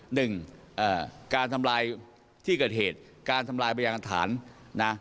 หนึ่งการทำลายที่เกิดเหตุการทำลายพยานฐานนะ